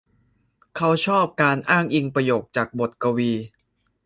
เขาชอบการอ้างอิงประโยคจากบทกวี